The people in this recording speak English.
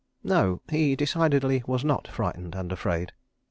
... No—he decidedly was not frightened and afraid.